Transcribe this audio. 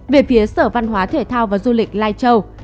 về phía sở văn hóa thể thao và du lịch lai châu